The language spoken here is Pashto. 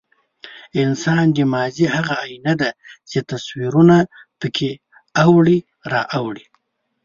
د انسان د ماضي هغه ایینه ده، چې تصویرونه پکې اوړي را اوړي.